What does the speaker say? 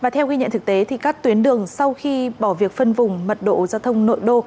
theo ghi nhận thực tế các tuyến đường sau khi bỏ việc phân vùng mật độ giao thông nội đô